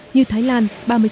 như thái lan ba mươi